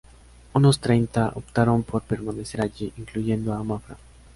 Unos treinta optaron por permanecer allí, incluyendo a Mafra.